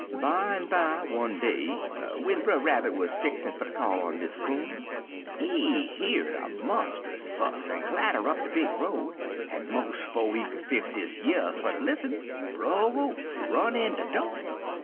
"Bimeby, one day w'en Brer Rabbit wuz fixin' fer ter call on Miss Coon, he heerd a monstrus fuss en clatter up de big road, en 'mos' 'fo' he could fix his years fer ter lissen, Brer Wolf run in de do'.